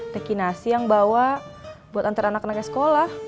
deki nasi yang bawa buat antar anak anaknya sekolah